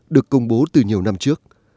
được công bố từ nhiều năm trước